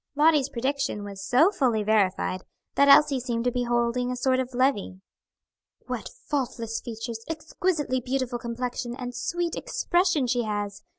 Lottie's prediction was so fully verified that Elsie seemed to be holding a sort of levee. "What faultless features, exquisitely beautiful complexion, and sweet expression she has."